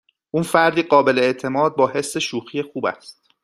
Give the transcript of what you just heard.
او فردی قابل اعتماد با حس شوخی خوب است.